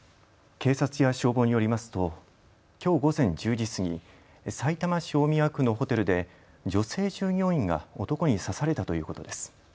警察や消防によりますときょう午前１０時過ぎ、さいたま市大宮区のホテルで女性従業員が男に刺されたということです。